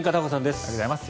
おはようございます。